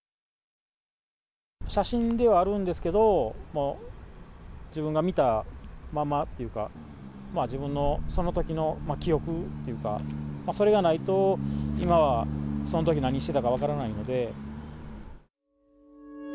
写真ではあるんですけど、もう自分が見たままというか、自分のそのときの記憶というか、それがないと今はそのとき何してたか分からないので。